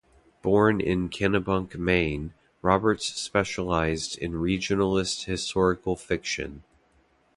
Born in Kennebunk, Maine, Roberts specialized in Regionalist historical fiction.